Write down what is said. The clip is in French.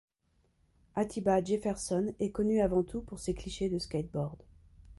Atiba Jefferson est connu avant tout pour ses clichés de skateboard.